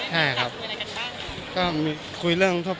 เหมือนว่ามันพี่มีโอกาสได้คุยกันแล้ว